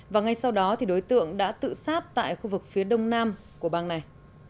và ngay sau đó đối tượng đã tự sát tại khu vực phía đông nam của bang này